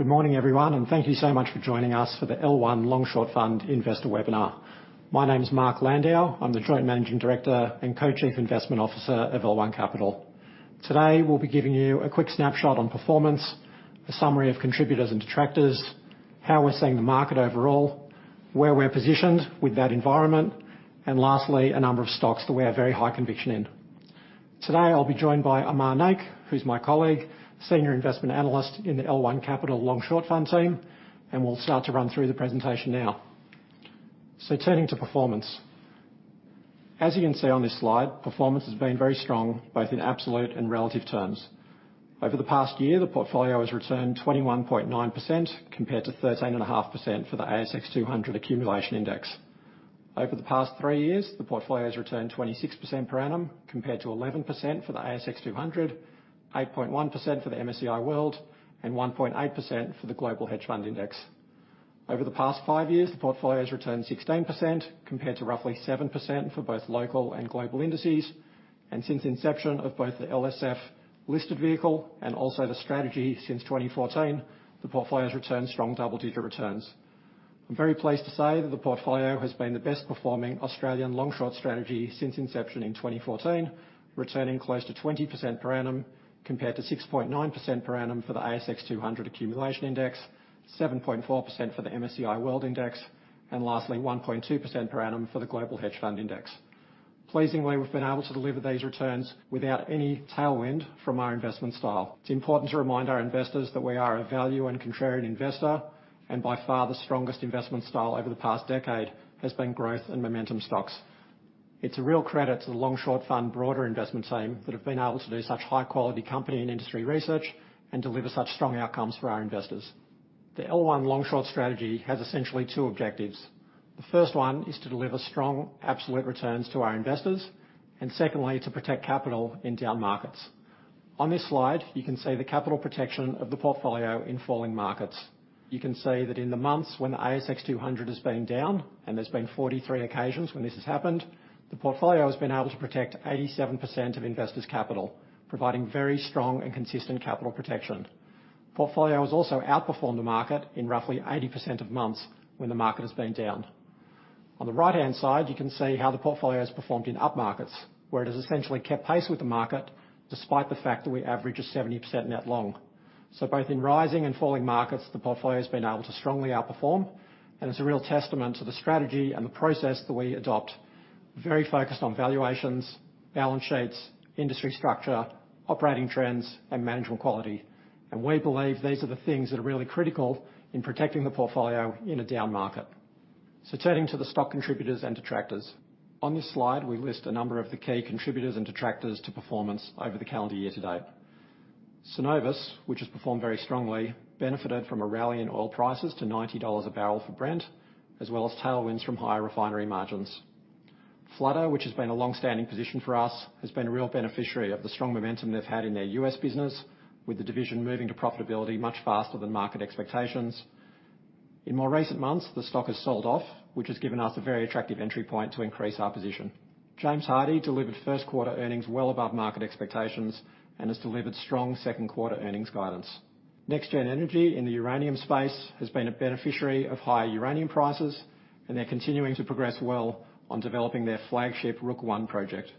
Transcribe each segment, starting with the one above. Good morning, everyone, and thank you so much for joining us for the L1 Long Short Fund Investor Webinar. My name is Mark Landau. I'm the Joint Managing Director and Co-Chief Investment Officer of L1 Capital. Today, we'll be giving you a quick snapshot on performance, a summary of contributors and detractors, how we're seeing the market overall, where we're positioned with that environment, and lastly, a number of stocks that we have very high conviction in. Today, I'll be joined by Amar Naik, who's my colleague, Senior Investment Analyst in the L1 Capital Long Short Fund team, and we'll start to run through the presentation now. Turning to performance. As you can see on this slide, performance has been very strong, both in absolute and relative terms. Over the past year, the portfolio has returned 21.9%, compared to 13.5% for the ASX 200 Accumulation Index. Over the past three years, the portfolio has returned 26% per annum, compared to 11% for the ASX 200, 8.1% for the MSCI World, and 1.8% for the Global Hedge Fund Index. Over the past five years, the portfolio has returned 16%, compared to roughly 7% for both local and global indices, and since inception of both the LSF listed vehicle and also the strategy since 2014, the portfolio's returned strong double-digit returns. I'm very pleased to say that the portfolio has been the best-performing Australian Long Short strategy since inception in 2014, returning close to 20% per annum, compared to 6.9% per annum for the ASX 200 Accumulation Index, 7.4% per annum for the MSCI World Index, and lastly, 1.2% per annum for the Global Hedge Fund Index. Pleasingly, we've been able to deliver these returns without any tailwind from our investment style. It's important to remind our investors that we are a value and contrarian investor, and by far, the strongest investment style over the past decade has been growth and momentum stocks. It's a real credit to the Long Short Fund broader investment team that have been able to do such high-quality company and industry research and deliver such strong outcomes for our investors. The L1 Long Short strategy has essentially 2 objectives. The first one is to deliver strong absolute returns to our investors, and secondly, to protect capital in down markets. On this slide, you can see the capital protection of the portfolio in falling markets. You can see that in the months when the ASX 200 has been down, and there's been 43 occasions when this has happened, the portfolio has been able to protect 87% of investors' capital, providing very strong and consistent capital protection. Portfolio has also outperformed the market in roughly 80% of months when the market has been down. On the right-hand side, you can see how the portfolio has performed in up markets, where it has essentially kept pace with the market, despite the fact that we average a 70% net long. So both in rising and falling markets, the portfolio's been able to strongly outperform, and it's a real testament to the strategy and the process that we adopt. Very focused on valuations, balance sheets, industry structure, operating trends, and management quality. And we believe these are the things that are really critical in protecting the portfolio in a down market. So turning to the stock contributors and detractors. On this slide, we list a number of the key contributors and detractors to performance over the calendar year to date. Cenovus, which has performed very strongly, benefited from a rally in oil prices to $90 a barrel for Brent, as well as tailwinds from higher refinery margins. Flutter, which has been a long-standing position for us, has been a real beneficiary of the strong momentum they've had in their U.S. business, with the division moving to profitability much faster than market expectations. In more recent months, the stock has sold off, which has given us a very attractive entry point to increase our position. James Hardie delivered first quarter earnings well above market expectations and has delivered strong second quarter earnings guidance. NexGen Energy in the uranium space has been a beneficiary of higher uranium prices, and they're continuing to progress well on developing their flagship Rook I project.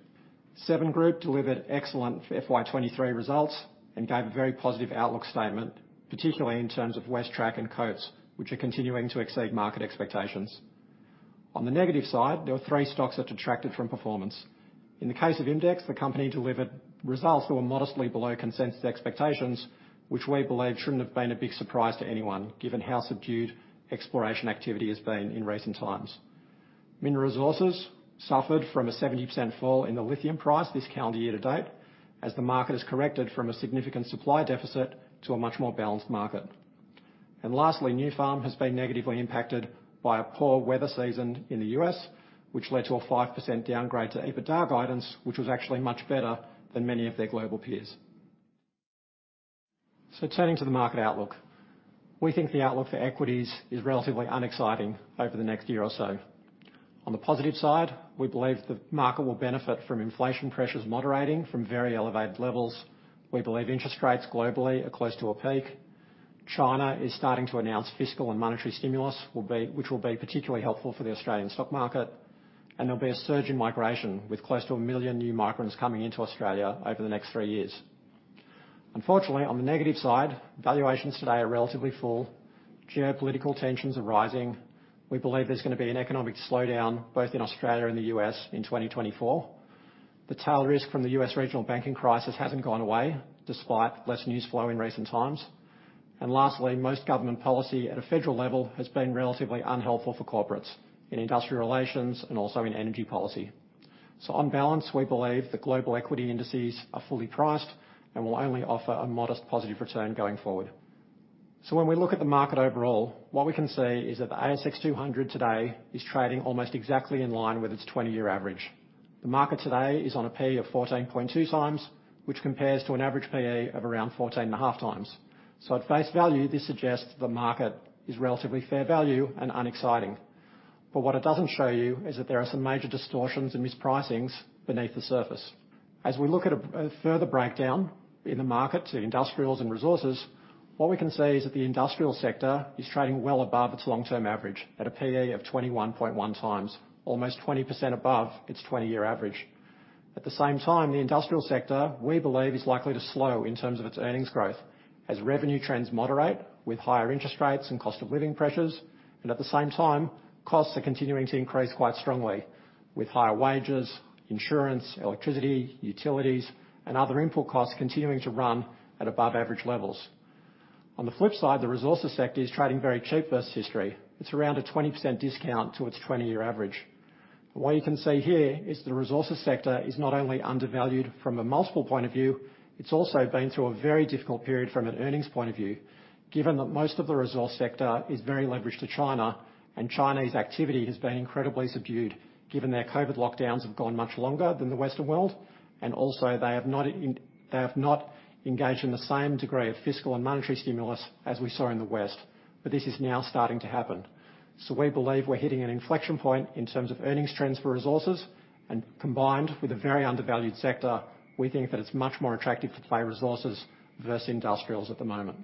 Seven Group delivered excellent FY 2023 results and gave a very positive outlook statement, particularly in terms of WestTrac and Coates, which are continuing to exceed market expectations. On the negative side, there were three stocks that detracted from performance. In the case of Imdex, the company delivered results that were modestly below consensus expectations, which we believe shouldn't have been a big surprise to anyone, given how subdued exploration activity has been in recent times. Mineral Resources suffered from a 70% fall in the lithium price this calendar year to date, as the market has corrected from a significant supply deficit to a much more balanced market. And lastly, Nufarm has been negatively impacted by a poor weather season in the U .S,. which led to a 5% downgrade to EBITDA guidance, which was actually much better than many of their global peers. Turning to the market outlook. We think the outlook for equities is relatively unexciting over the next year or so. On the positive side, we believe the market will benefit from inflation pressures moderating from very elevated levels. We believe interest rates globally are close to a peak. China is starting to announce fiscal and monetary stimulus, which will be particularly helpful for the Australian stock market, and there'll be a surge in migration, with close to a million new migrants coming into Australia over the next three years. Unfortunately, on the negative side, valuations today are relatively full. Geopolitical tensions are rising. We believe there's gonna be an economic slowdown, both in Australia and the U.S. in 2024. The tail risk from the U.S. regional banking crisis hasn't gone away, despite less news flow in recent times. And lastly, most government policy at a federal level has been relatively unhelpful for corporates in industrial relations and also in energy policy. So on balance, we believe the global equity indices are fully priced and will only offer a modest positive return going forward. So when we look at the market overall, what we can see is that the ASX 200 today is trading almost exactly in line with its 20-year average. The market today is on a P/E of 14.2x, which compares to an average P/E of around 14.5x. So at face value, this suggests the market is relatively fair value and unexciting. But what it doesn't show you is that there are some major distortions and mispricings beneath the surface. As we look at a further breakdown in the market to industrials and resources, what we can say is that the industrial sector is trading well above its long-term average at a P/E of 21.1x, almost 20% above its 20-year average. At the same time, the industrial sector, we believe, is likely to slow in terms of its earnings growth as revenue trends moderate with higher interest rates and cost of living pressures, and at the same time, costs are continuing to increase quite strongly, with higher wages, insurance, electricity, utilities, and other input costs continuing to run at above average levels. On the flip side, the resources sector is trading very cheap versus history. It's around a 20% discount to its 20-year average. But what you can see here is the resources sector is not only undervalued from a multiple point of view, it's also been through a very difficult period from an earnings point of view, given that most of the resource sector is very leveraged to China, and Chinese activity has been incredibly subdued, given their COVID lockdowns have gone much longer than the Western world, and also, they have not engaged in the same degree of fiscal and monetary stimulus as we saw in the West, but this is now starting to happen. So we believe we're hitting an inflection point in terms of earnings trends for resources, and combined with a very undervalued sector, we think that it's much more attractive to play resources versus industrials at the moment.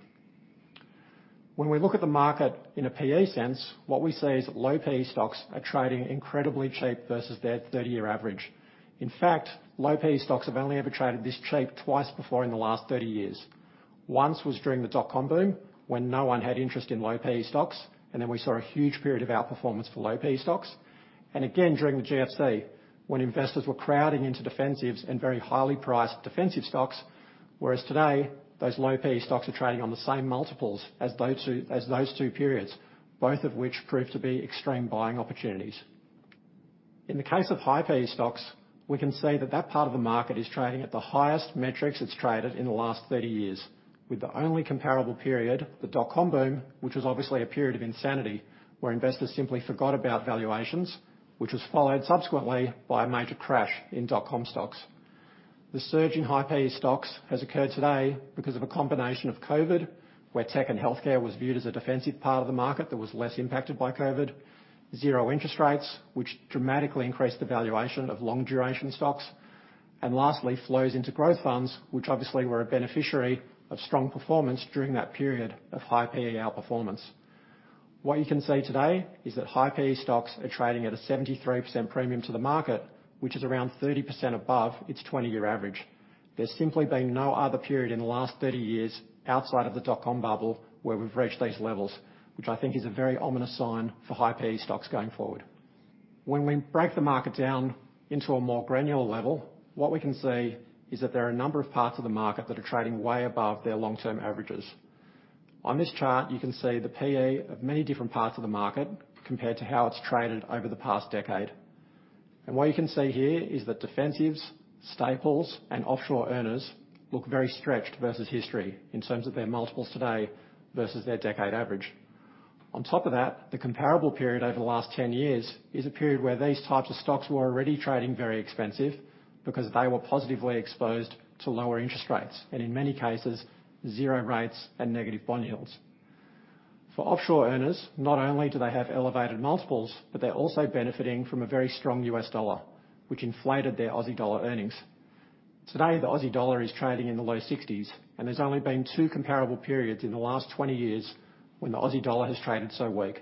When we look at the market in a P/E sense, what we see is low P/E stocks are trading incredibly cheap versus their 30-year average. In fact, low P/E stocks have only ever traded this cheap twice before in the last 30 years. Once was during the dot-com boom, when no one had interest in low P/E stocks, and then we saw a huge period of outperformance for low P/E stocks, and again, during the GFC, when investors were crowding into defensives and very highly priced defensive stocks, whereas today, those low P/E stocks are trading on the same multiples as those two, as those two periods, both of which proved to be extreme buying opportunities. In the case of high P/E stocks, we can see that that part of the market is trading at the highest metrics it's traded in the last 30 years, with the only comparable period, the dot-com boom, which was obviously a period of insanity, where investors simply forgot about valuations, which was followed subsequently by a major crash in dot-com stocks. The surge in high P/E stocks has occurred today because of a combination of COVID, where tech and healthcare was viewed as a defensive part of the market that was less impacted by COVID. Zero interest rates, which dramatically increased the valuation of long-duration stocks. And lastly, flows into growth funds, which obviously were a beneficiary of strong performance during that period of high P/E outperformance. What you can see today is that high P/E stocks are trading at a 73% premium to the market, which is around 30% above its 20-year average. There's simply been no other period in the last 30 years, outside of the dot-com bubble, where we've reached these levels, which I think is a very ominous sign for high P/E stocks going forward. When we break the market down into a more granular level, what we can see is that there are a number of parts of the market that are trading way above their long-term averages. On this chart, you can see the P/E of many different parts of the market compared to how it's traded over the past decade. What you can see here is that defensives, staples, and offshore earners look very stretched versus history in terms of their multiples today versus their decade average. On top of that, the comparable period over the last 10 years is a period where these types of stocks were already trading very expensive because they were positively exposed to lower interest rates, and in many cases, zero rates and negative bond yields. For offshore earners, not only do they have elevated multiples, but they're also benefiting from a very strong U.S. dollar, which inflated their Aussie dollar earnings. Today, the Aussie dollar is trading in the low 60s, and there's only been two comparable periods in the last 20 years when the Aussie dollar has traded so weak.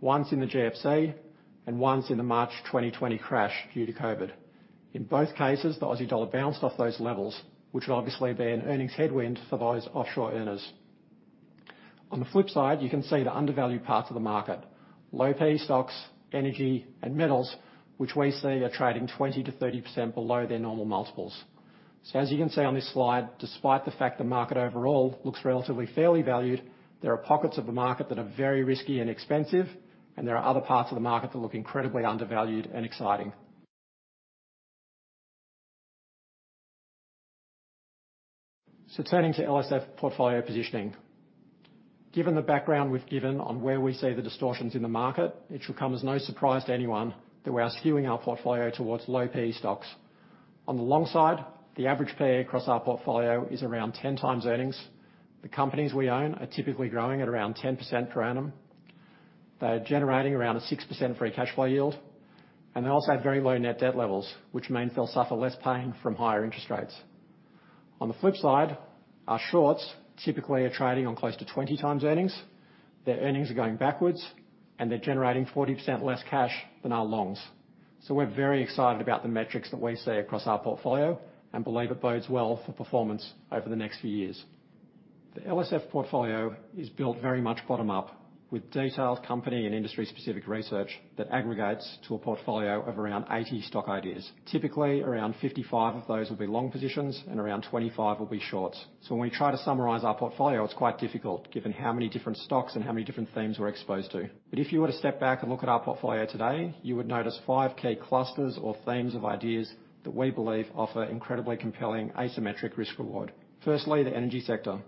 Once in the GFC and once in the March 2020 crash due to COVID. In both cases, the Aussie dollar bounced off those levels, which would obviously be an earnings headwind for those offshore earners. On the flip side, you can see the undervalued parts of the market, low P/E stocks, energy, and metals, which we see are trading 20%-30% below their normal multiples. So as you can see on this slide, despite the fact the market overall looks relatively fairly valued, there are pockets of the market that are very risky and expensive, and there are other parts of the market that look incredibly undervalued and exciting. So turning to LSF portfolio positioning. Given the background we've given on where we see the distortions in the market, it should come as no surprise to anyone that we are skewing our portfolio towards low P/E stocks. On the long side, the average P/E across our portfolio is around 10x earnings. The companies we own are typically growing at around 10% per annum. They're generating around a 6% free cash flow yield, and they also have very low net debt levels, which means they'll suffer less pain from higher interest rates. On the flip side, our shorts typically are trading on close to 20x earnings. Their earnings are going backwards, and they're generating 40% less cash than our longs. So we're very excited about the metrics that we see across our portfolio and believe it bodes well for performance over the next few years. The LSF portfolio is built very much bottom up, with detailed company and industry-specific research that aggregates to a portfolio of around 80 stock ideas. Typically, around 55 of those will be long positions and around 25 will be shorts. So when we try to summarize our portfolio, it's quite difficult, given how many different stocks and how many different themes we're exposed to. But if you were to step back and look at our portfolio today, you would notice five key clusters or themes of ideas that we believe offer incredibly compelling asymmetric risk-reward. Firstly, the energy sector.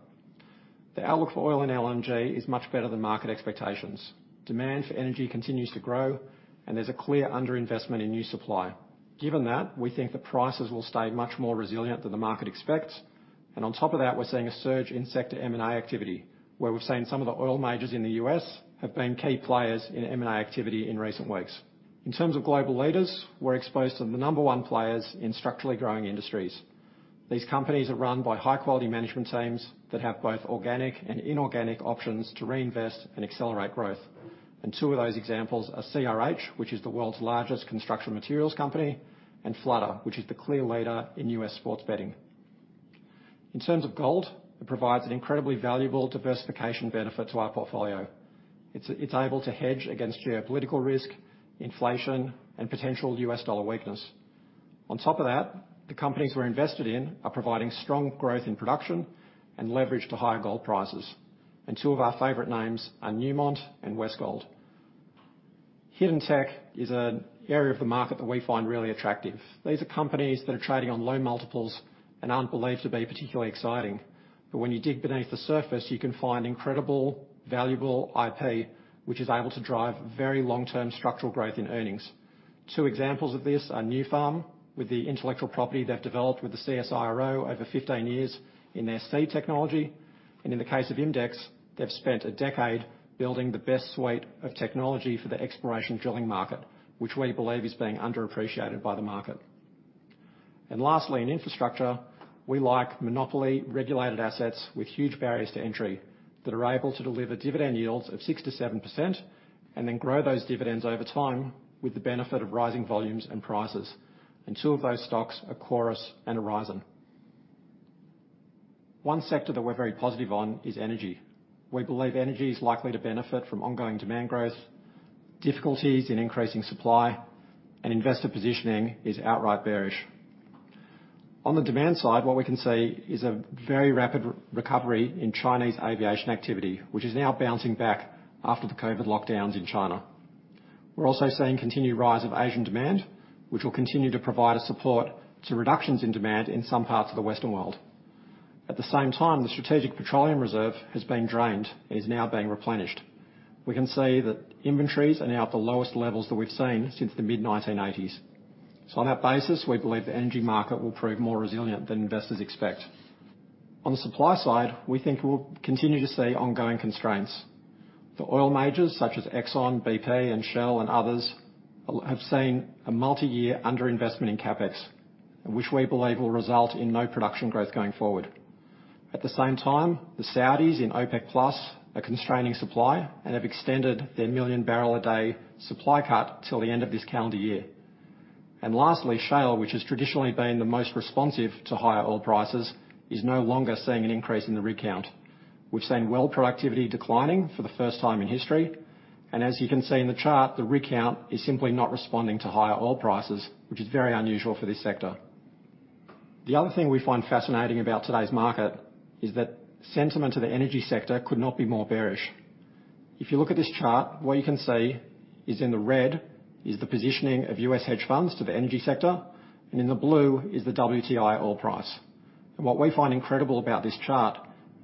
The outlook for oil and LNG is much better than market expectations. Demand for energy continues to grow, and there's a clear underinvestment in new supply. Given that, we think the prices will stay much more resilient than the market expects. And on top of that, we're seeing a surge in sector M&A activity, where we've seen some of the oil majors in the U.S. have been key players in M&A activity in recent weeks. In terms of global leaders, we're exposed to the number one players in structurally growing industries. These companies are run by high-quality management teams that have both organic and inorganic options to reinvest and accelerate growth. Two of those examples are CRH, which is the world's largest construction materials company, and Flutter, which is the clear leader in U.S. sports betting. In terms of gold, it provides an incredibly valuable diversification benefit to our portfolio. It's able to hedge against geopolitical risk, inflation, and potential U.S. dollar weakness. On top of that, the companies we're invested in are providing strong growth in production and leverage to higher gold prices. Two of our favorite names are Newmont and Westgold Hidden Tech is an area of the market that we find really attractive. These are companies that are trading on low multiples and aren't believed to be particularly exciting. But when you dig beneath the surface, you can find incredible, valuable IP, which is able to drive very long-term structural growth in earnings. Two examples of this are Nufarm, with the intellectual property they've developed with the CSIRO over 15 years in their seed technology, and in the case of Imdex, they've spent a decade building the best suite of technology for the exploration drilling market, which we believe is being underappreciated by the market. Lastly, in infrastructure, we like monopoly-regulated assets with huge barriers to entry that are able to deliver dividend yields of 6%-7% and then grow those dividends over time with the benefit of rising volumes and prices. Two of those stocks are Chorus and Aurizon. One sector that we're very positive on is energy. We believe energy is likely to benefit from ongoing demand growth, difficulties in increasing supply, and investor positioning is outright bearish. On the demand side, what we can see is a very rapid recovery in Chinese aviation activity, which is now bouncing back after the COVID lockdowns in China. We're also seeing continued rise of Asian demand, which will continue to provide a support to reductions in demand in some parts of the Western world. At the same time, the Strategic Petroleum Reserve has been drained and is now being replenished. We can see that inventories are now at the lowest levels that we've seen since the mid-1980s. So on that basis, we believe the energy market will prove more resilient than investors expect. On the supply side, we think we'll continue to see ongoing constraints. The oil majors, such as Exxon, BP, and Shell, and others, have seen a multi-year underinvestment in CapEx, which we believe will result in no production growth going forward. At the same time, the Saudis in OPEC+ are constraining supply and have extended their one million barrels a day supply cut till the end of this calendar year. And lastly, shale, which has traditionally been the most responsive to higher oil prices, is no longer seeing an increase in the rig count. We've seen well productivity declining for the first time in history, and as you can see in the chart, the rig count is simply not responding to higher oil prices, which is very unusual for this sector. The other thing we find fascinating about today's market is that sentiment to the energy sector could not be more bearish. If you look at this chart, what you can see is in the red is the positioning of U.S. hedge funds to the energy sector, and in the blue is the WTI oil price. What we find incredible about this chart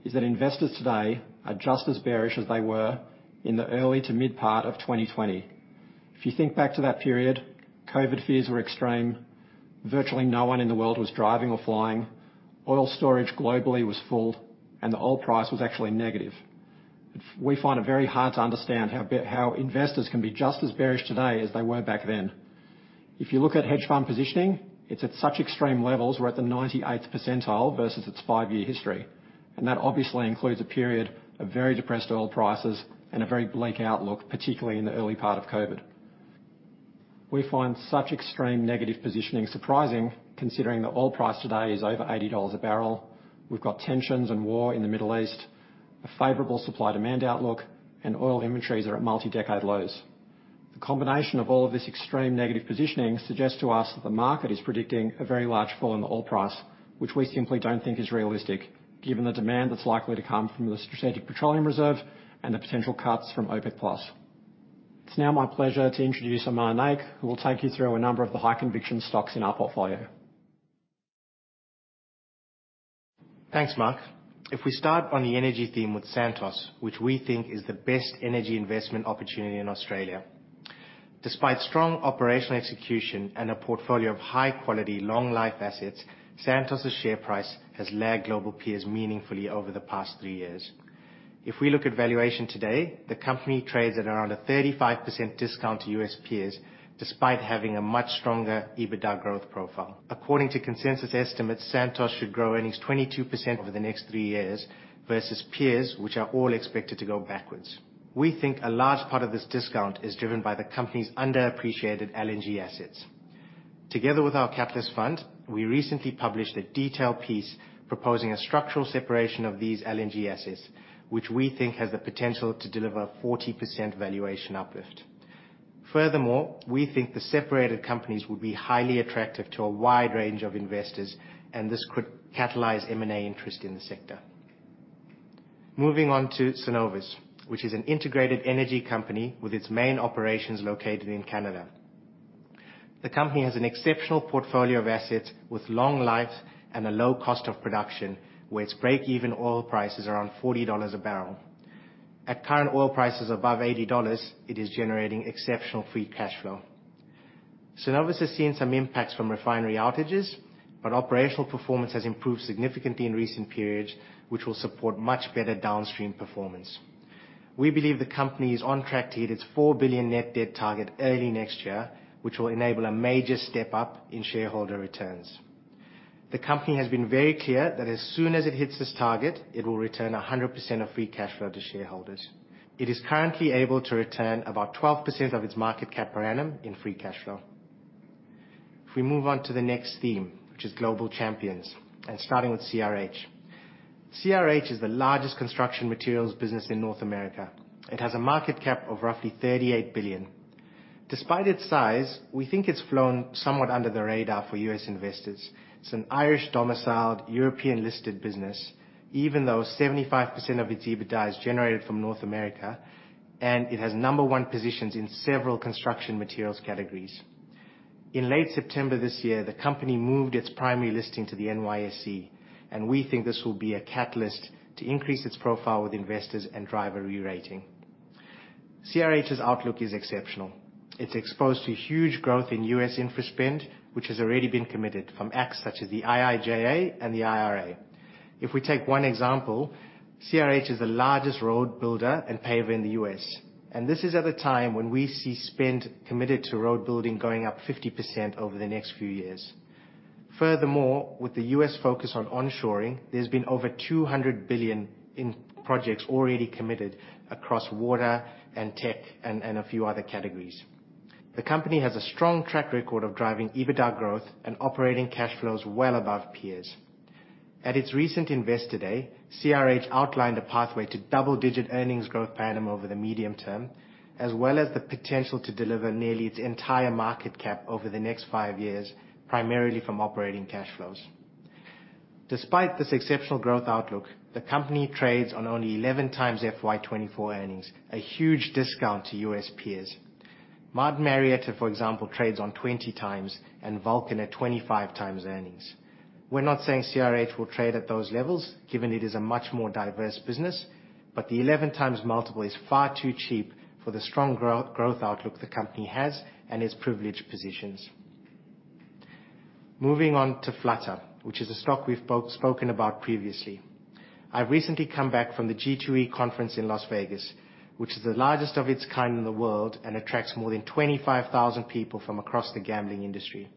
is that investors today are just as bearish as they were in the early to mid part of 2020. If you think back to that period, COVID fears were extreme. Virtually no one in the world was driving or flying, oil storage globally was full, and the oil price was actually negative. We find it very hard to understand how investors can be just as bearish today as they were back then. If you look at hedge fund positioning, it's at such extreme levels. We're at the 98th percentile versus its five-year history, and that obviously includes a period of very depressed oil prices and a very bleak outlook, particularly in the early part of COVID. We find such extreme negative positioning surprising, considering the oil price today is over $80 a barrel. We've got tensions and war in the Middle East, a favorable supply-demand outlook, and oil inventories are at multi-decade lows. The combination of all of this extreme negative positioning suggests to us that the market is predicting a very large fall in the oil price, which we simply don't think is realistic, given the demand that's likely to come from the Strategic Petroleum Reserve and the potential cuts from OPEC+. It's now my pleasure to introduce Amar Naik, who will take you through a number of the high-conviction stocks in our portfolio. Thanks, Mark. If we start on the energy theme with Santos, which we think is the best energy investment opportunity in Australia. Despite strong operational execution and a portfolio of high-quality, long-life assets, Santos' share price has lagged global peers meaningfully over the past three years. If we look at valuation today, the company trades at around a 35% discount to U.S. peers, despite having a much stronger EBITDA growth profile. According to consensus estimates, Santos should grow earnings 22% over the next three years versus peers, which are all expected to go backwards. We think a large part of this discount is driven by the company's underappreciated LNG assets. Together with our catalyst fund, we recently published a detailed piece proposing a structural separation of these LNG assets, which we think has the potential to deliver 40% valuation uplift. Furthermore, we think the separated companies would be highly attractive to a wide range of investors, and this could catalyze M&A interest in the sector. Moving on to Cenovus, which is an integrated energy company with its main operations located in Canada. The company has an exceptional portfolio of assets with long life and a low cost of production, where its break-even oil price is around $40 a barrel. At current oil prices above $80, it is generating exceptional free cash flow.... Cenovus has seen some impacts from refinery outages, but operational performance has improved significantly in recent periods, which will support much better downstream performance. We believe the company is on track to hit its $4 billion net debt target early next year, which will enable a major step up in shareholder returns. The company has been very clear that as soon as it hits this target, it will return 100% of free cash flow to shareholders. It is currently able to return about 12% of its market cap per annum in free cash flow. If we move on to the next theme, which is global champions, and starting with CRH. CRH is the largest construction materials business in North America. It has a market cap of roughly $38 billion. Despite its size, we think it's flown somewhat under the radar for U.S. investors. It's an Irish-domiciled, European-listed business, even though 75% of its EBITDA is generated from North America, and it has number one positions in several construction materials categories. In late September this year, the company moved its primary listing to the NYSE, and we think this will be a catalyst to increase its profile with investors and drive a rerating. CRH's outlook is exceptional. It's exposed to huge growth in U.S. infra spend, which has already been committed from acts such as the IIJA and the IRA. If we take one example, CRH is the largest road builder and paver in the U.S., and this is at a time when we see spend committed to road building going up 50% over the next few years. Furthermore, with the U.S. focus on onshoring, there's been over $200 billion in projects already committed across water and tech and a few other categories. The company has a strong track record of driving EBITDA growth and operating cash flows well above peers. At its recent Investor Day, CRH outlined a pathway to double-digit earnings growth per annum over the medium term, as well as the potential to deliver nearly its entire market cap over the next 5 years, primarily from operating cash flows. Despite this exceptional growth outlook, the company trades on only 11x FY 2024 earnings, a huge discount to U.S. peers. Martin Marietta, for example, trades on 20x and Vulcan at 25x earnings. We're not saying CRH will trade at those levels, given it is a much more diverse business, but the 11x multiple is far too cheap for the strong growth outlook the company has and its privileged positions. Moving on to Flutter, which is a stock we've spoken about previously. I've recently come back from the G2E conference in Las Vegas, which is the largest of its kind in the world and attracts more than 25,000 people from across the gambling industry.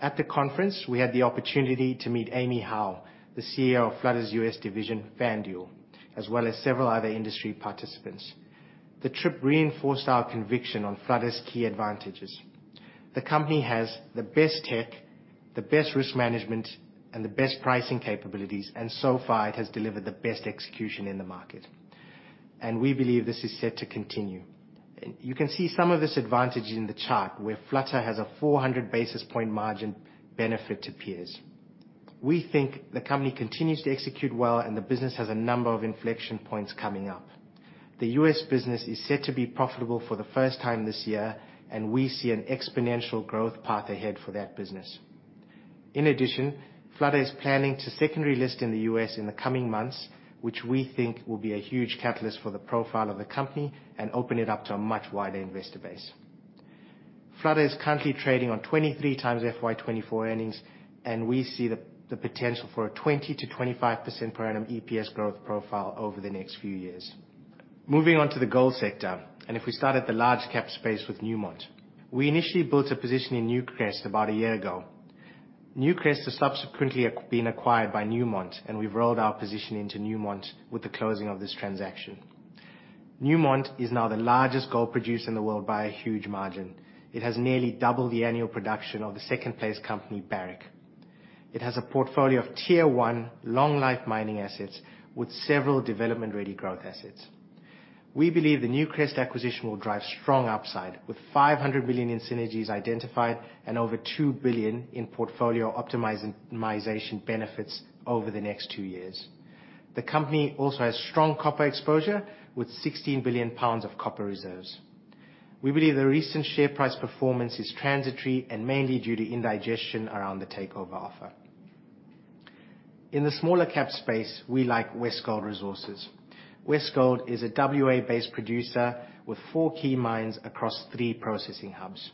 At the conference, we had the opportunity to meet Amy Howe, the CEO of Flutter's U.S. division, FanDuel, as well as several other industry participants. The trip reinforced our conviction on Flutter's key advantages. The company has the best tech, the best risk management, and the best pricing capabilities, and so far, it has delivered the best execution in the market, and we believe this is set to continue. And you can see some of this advantage in the chart, where Flutter has a 400 basis point margin benefit to peers. We think the company continues to execute well, and the business has a number of inflection points coming up. The U.S. business is set to be profitable for the first time this year, and we see an exponential growth path ahead for that business. In addition, Flutter is planning to secondary list in the U.S. in the coming months, which we think will be a huge catalyst for the profile of the company and open it up to a much wider investor base. Flutter is currently trading on 23x FY 2024 earnings, and we see the, the potential for a 20%-25% per annum EPS growth profile over the next few years. Moving on to the gold sector, and if we start at the large cap space with Newmont. We initially built a position in Newcrest about a year ago. Newcrest has subsequently been acquired by Newmont, and we've rolled our position into Newmont with the closing of this transaction. Newmont is now the largest gold producer in the world by a huge margin. It has nearly double the annual production of the second-place company, Barrick. It has a portfolio of Tier one long-life mining assets with several development-ready growth assets. We believe the Newcrest acquisition will drive strong upside, with $500 billion in synergies identified and over $2 billion in portfolio optimization, optimization benefits over the next two years. The company also has strong copper exposure with 16 billion pounds of copper reserves. We believe the recent share price performance is transitory and mainly due to indigestion around the takeover offer. In the smaller cap space, we like Westgold Resources. Westgold is a WA-based producer with four key mines across three processing hubs.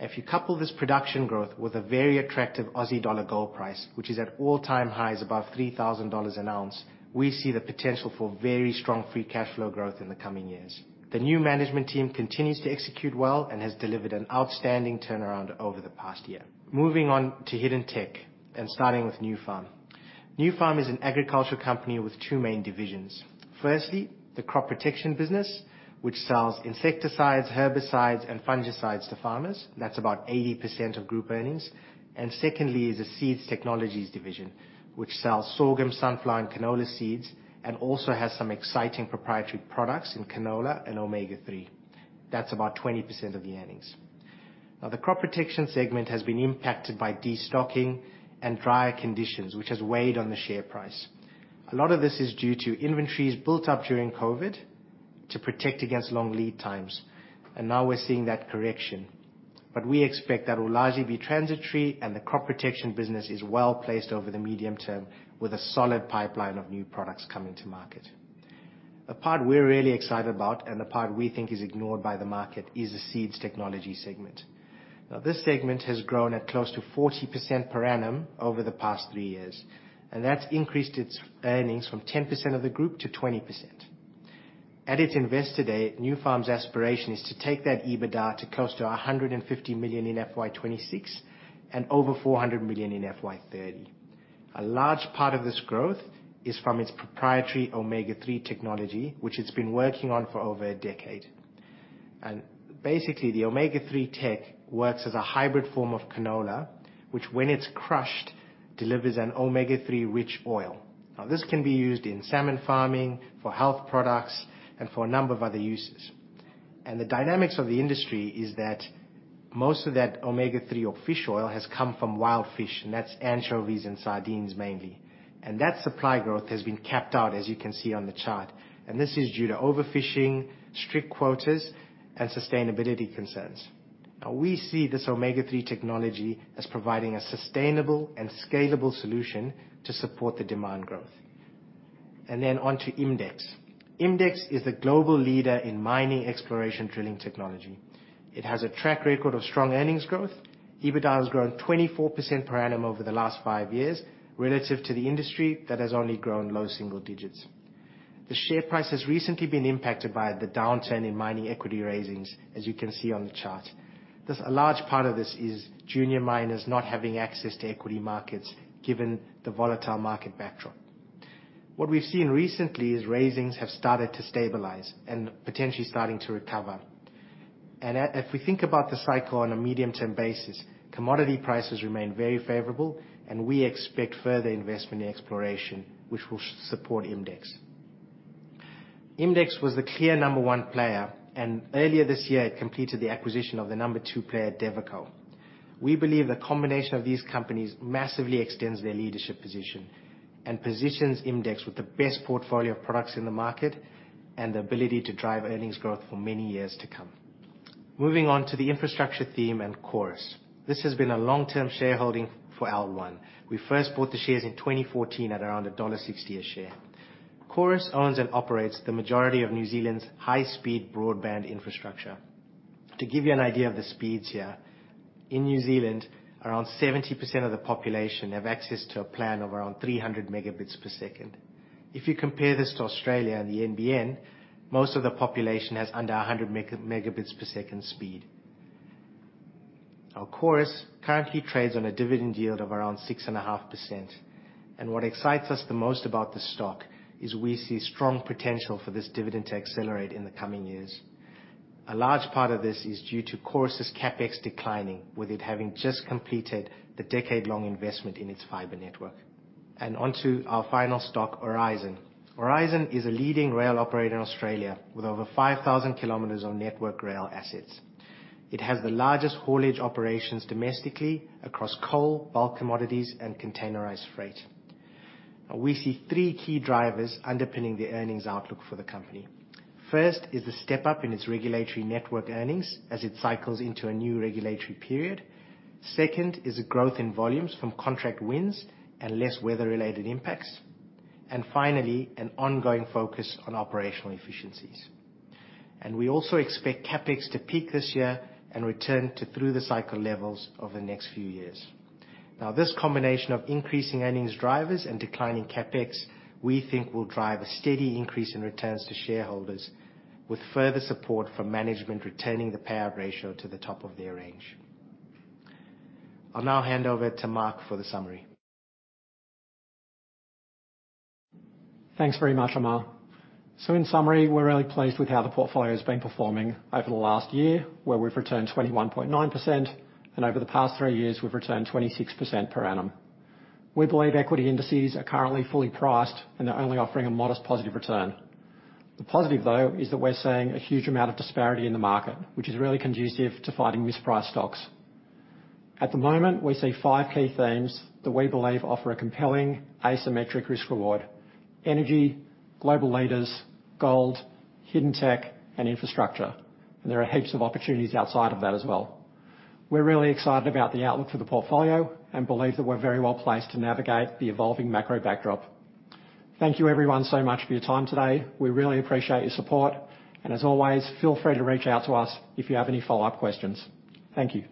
If you couple this production growth with a very attractive Aussie dollar gold price, which is at all-time highs, above 3,000 dollars an ounce, we see the potential for very strong free cash flow growth in the coming years. The new management team continues to execute well and has delivered an outstanding turnaround over the past year. Moving on to hidden tech and starting with Nufarm. Nufarm is an agricultural company with two main divisions. Firstly, the crop protection business, which sells insecticides, herbicides, and fungicides to farmers. That's about 80% of group earnings. And secondly, is the seeds technologies division, which sells sorghum, sunflower, and canola seeds, and also has some exciting proprietary products in canola and Omega-3. That's about 20% of the earnings. Now, the crop protection segment has been impacted by destocking and drier conditions, which has weighed on the share price. A lot of this is due to inventories built up during COVID to protect against long lead times, and now we're seeing that correction. But we expect that will largely be transitory, and the crop protection business is well-placed over the medium term with a solid pipeline of new products coming to market. A part we're really excited about, and a part we think is ignored by the market, is the seeds technology segment. Now, this segment has grown at close to 40% per annum over the past three years, and that's increased its earnings from 10% of the group to 20%. At its investor day, Nufarm's aspiration is to take that EBITDA to close to 150 million in FY 2026, and over 400 million in FY 2030. A large part of this growth is from its proprietary Omega-3 technology, which it's been working on for over a decade. Basically, the Omega-3 tech works as a hybrid form of canola, which, when it's crushed, delivers an Omega-3 rich oil. Now, this can be used in salmon farming, for health products, and for a number of other uses. The dynamics of the industry is that most of that Omega-3 or fish oil has come from wild fish, and that's anchovies and sardines mainly. That supply growth has been capped out, as you can see on the chart, and this is due to overfishing, strict quotas, and sustainability concerns. Now, we see this Omega-3 technology as providing a sustainable and scalable solution to support the demand growth. Then on to Imdex. Imdex is the global leader in mining exploration drilling technology. It has a track record of strong earnings growth. EBITDA has grown 24% per annum over the last 5 years, relative to the industry that has only grown low single digits. The share price has recently been impacted by the downturn in mining equity raisings, as you can see on the chart. There's a large part of this is junior miners not having access to equity markets, given the volatile market backdrop. What we've seen recently is raisings have started to stabilize and potentially starting to recover. And if we think about the cycle on a medium-term basis, commodity prices remain very favorable, and we expect further investment in exploration, which will support Imdex. Imdex was the clear number one player, and earlier this year, it completed the acquisition of the number two player, Devico. We believe the combination of these companies massively extends their leadership position, and positions Imdex with the best portfolio of products in the market and the ability to drive earnings growth for many years to come. Moving on to the infrastructure theme and Chorus. This has been a long-term shareholding for L1. We first bought the shares in 2014 at around dollar 1.60 a share. Chorus owns and operates the majority of New Zealand's high-speed broadband infrastructure. To give you an idea of the speeds here, in New Zealand, around 70% of the population have access to a plan of around 300 Mbps. If you compare this to Australia and the NBN, most of the population has under 100 Mbps speed. Now, Chorus currently trades on a dividend yield of around 6.5%, and what excites us the most about this stock is we see strong potential for this dividend to accelerate in the coming years. A large part of this is due to Chorus's CapEx declining, with it having just completed the decade-long investment in its fiber network. On to our final stock, Aurizon. Aurizon is a leading rail operator in Australia with over 5,000 kilometers of network rail assets. It has the largest haulage operations domestically across coal, bulk commodities, and containerized freight. Now, we see three key drivers underpinning the earnings outlook for the company. First, is the step-up in its regulatory network earnings as it cycles into a new regulatory period. Second, is a growth in volumes from contract wins and less weather-related impacts. Finally, an ongoing focus on operational efficiencies. We also expect CapEx to peak this year and return to through-the-cycle levels over the next few years. Now, this combination of increasing earnings drivers and declining CapEx, we think will drive a steady increase in returns to shareholders, with further support from management retaining the payout ratio to the top of their range. I'll now hand over to Mark for the summary. Thanks very much, Amar. So in summary, we're really pleased with how the portfolio has been performing over the last year, where we've returned 21.9%, and over the past three years, we've returned 26% per annum. We believe equity indices are currently fully priced, and they're only offering a modest positive return. The positive, though, is that we're seeing a huge amount of disparity in the market, which is really conducive to finding mispriced stocks. At the moment, we see five key themes that we believe offer a compelling asymmetric risk reward: energy, global leaders, gold, hidden tech, and infrastructure. And there are heaps of opportunities outside of that as well. We're really excited about the outlook for the portfolio and believe that we're very well placed to navigate the evolving macro backdrop. Thank you everyone so much for your time today. We really appreciate your support, and as always, feel free to reach out to us if you have any follow-up questions. Thank you.